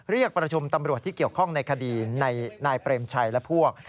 เรียกประชุมตำรวจที่เกี่ยวข้องในคดีนายเปรมชัยและพวก